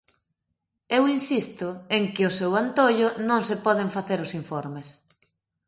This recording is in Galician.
Eu insisto en que ao seu antollo non se poden facer os informes.